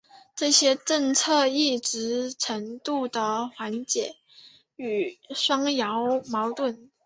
这些政策一定程度的缓解了汉瑶矛盾。